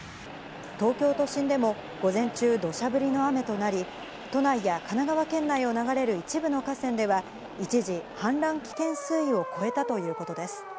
東京都心でも午前中、どしゃ降りの雨となり、都内や神奈川県内を流れる一部の河川では、一時、氾濫危険水位を超えたということです。